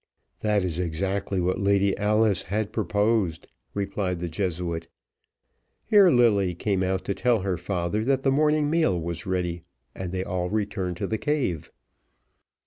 "That is exactly what Lady Alice had proposed," replied the Jesuit. Here Lilly came out to tell her father that the morning meal was ready, and they all returned to the cave.